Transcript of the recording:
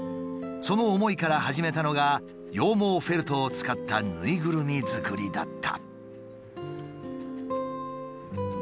その思いから始めたのが羊毛フェルトを使ったぬいぐるみ作りだった。